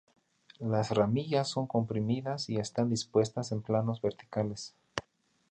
Las ramillas son comprimidas y están dispuestas en planos verticales.